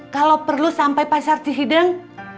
kalau perlu sampai pasar cihideng